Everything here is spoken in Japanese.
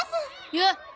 よっ！